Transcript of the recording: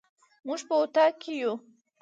موږ په اطاق کي يو